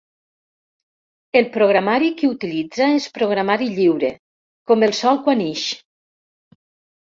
El programari que utilitza és programari lliure, com el sol quan ix.